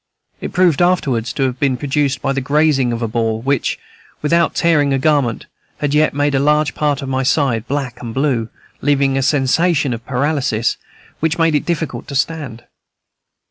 It proved afterwards to have been produced by the grazing of a ball, which, without tearing a garment, had yet made a large part of my side black and blue, leaving a sensation of paralysis which made it difficult to stand.